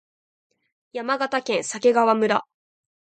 山形県鮭川村